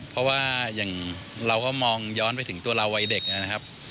เพราะว่าอย่างเราก็มองย้อนไปถึงตัวเราวัยเด็กนะครับ